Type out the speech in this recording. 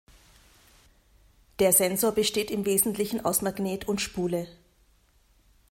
Der Sensor besteht im Wesentlichen aus Magnet und Spule.